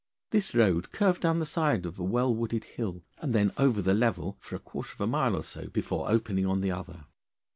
This road curved down the side of a well wooded hill, and then over the level for a quarter of a mile or so before opening on the other.